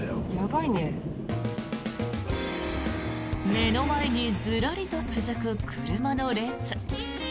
目の前にずらりと続く車の列。